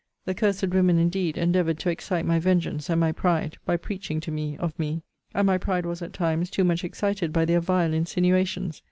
The cursed women, indeed, endeavoured to excite my vengeance, and my pride, by preaching to me of me. And my pride was, at times, too much excited by their vile insinuations.